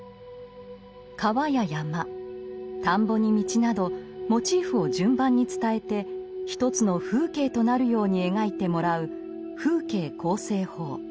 川や山田んぼに道などモチーフを順番に伝えて一つの風景となるように描いてもらう「風景構成法」。